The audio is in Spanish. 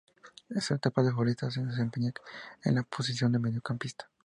En su etapa de futbolista se desempeñaba en la posición de mediocampista.